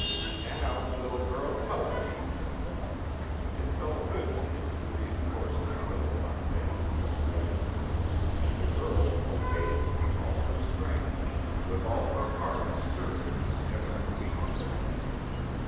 "Now, little girl, help me." It felt good to him to enforce his will upon Betty in this way. And the girl obeyed him with all her strength, with all her heart stirred at his evident weakness.